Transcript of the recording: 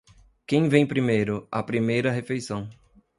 Quem vem primeiro, a primeira refeição.